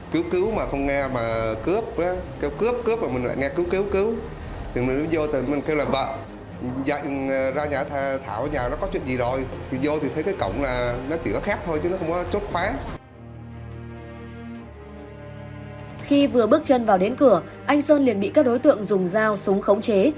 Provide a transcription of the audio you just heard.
khi vừa bước chân vào đến cửa anh sơn liền bị các đối tượng dùng dao súng khống chế